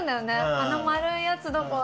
あの丸いやつどこ？